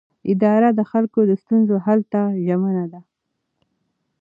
اداره د خلکو د ستونزو حل ته ژمنه ده.